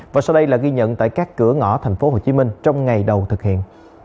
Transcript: và sau đây là ghi nhận tại các cửa ngõ thành phố hồ chí minh trong ngày đầu thực hiện